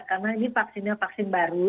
karena ini vaksinnya vaksin baru